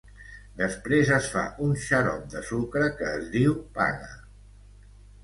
Després es fa un xarop de sucre que es diu "paga".